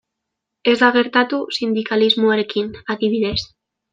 Ez da gertatu sindikalismoarekin, adibidez.